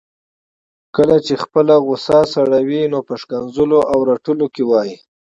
کله چي خپله غصه سړوي نو په ښکنځلو او رټلو کي وايي